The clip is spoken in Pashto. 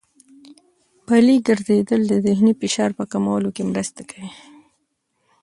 پلي ګرځېدل د ذهني فشار په کمولو کې مرسته کوي.